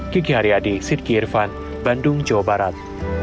kiki haryadi sidki irfan bandung jawa barat